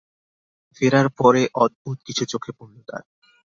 ফেরার পরে অদ্ভুত কিছু চোখে পড়ল তার।